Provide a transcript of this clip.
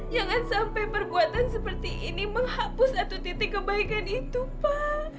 jangan sampai perbuatan seperti ini menghapus satu titik kebaikan itu pak